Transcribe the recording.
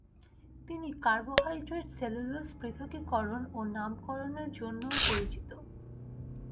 তিনি carbohydrate cellulose পৃথকীকরণ ও নামকরণের জন্যও পরিচিত।